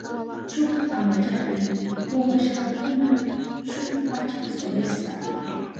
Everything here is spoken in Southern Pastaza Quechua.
Shuk pankallapi kuwashkakuna shuk pachak solesta.